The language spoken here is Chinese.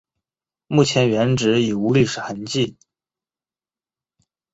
目前原址已无历史痕迹。